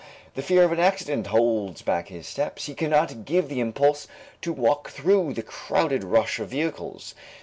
The fear of an accident holds back his steps, he cannot give the impulse to walk through the crowded rush of vehicles.